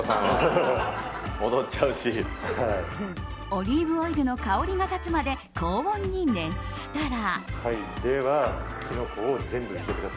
オリーブオイルの香りが立つまで、高温に熱したら。